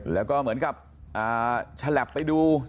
แล้วก็เหมือนกับฉลับไปดู